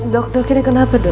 dokter kira kenapa dok